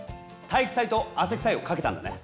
体育祭と汗くさいをかけたんだね。